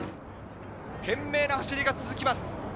懸命な走りが続きます。